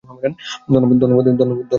ধন্যবাদ, স্যাম।